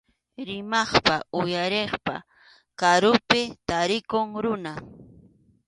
Rimaqpa uyariqpa karunpi tarikuq runa.